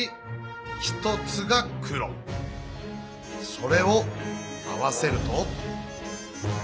それを合わせると。